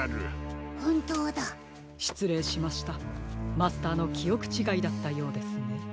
マスターのきおくちがいだったようですね。